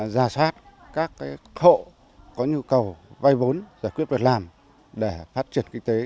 ra sát các hộ có nhu cầu vay vốn giải quyết vật làm để phát triển kinh tế